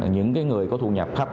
những người có thu nhập khắp